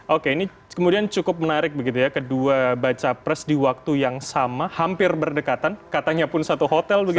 oke ini kemudian cukup menarik begitu ya kedua baca pres di waktu yang sama hampir berdekatan katanya pun satu hotel